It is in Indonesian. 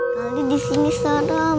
kali disini serem